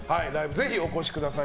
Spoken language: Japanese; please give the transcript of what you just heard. ぜひお越しください